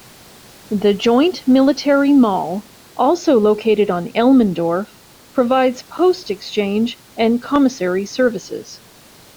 The Joint Military Mall, also located on Elmendorf, provides post exchange and commissary services.